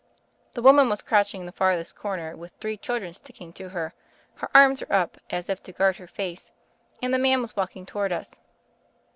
The woman was crouching in the farthest corner with three children sticking to her — her arms were up as if to guard her face — and the man was walking toward us.